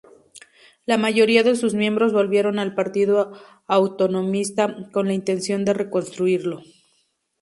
La mayoría de sus miembros volvieron al Partido Autonomista con la intención de reconstruirlo.